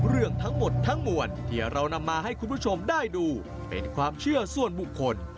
เรื่องทั้งหมดทั้งมวลที่เรานำมาให้คุณผู้ชมได้ดูเป็นความเชื่อส่วนบุคคล